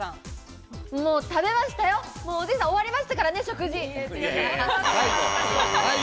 もう食べましたよ、おじいさん、終わりましたからね、食事。